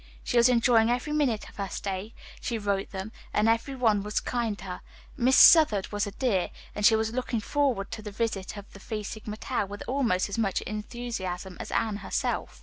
She was enjoying every minute of her stay, she wrote them, and every one was very kind to her. Miss Southard was a dear, and she was looking forward to the visit of the Phi Sigma Tau with almost as much enthusiasm as Anne herself.